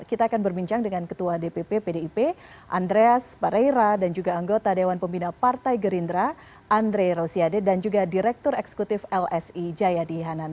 kita akan berbincang dengan ketua dpp pdip andreas pareira dan juga anggota dewan pembina partai gerindra andre rosiade dan juga direktur eksekutif lsi jayadi hanan